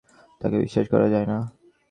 তাকে বিশ্বাস করা যায় না।